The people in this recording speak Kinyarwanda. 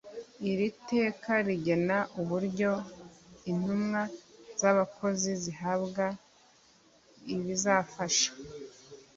iri teka rigena uburyo intumwa z'abakozi zihabwa ibizifasha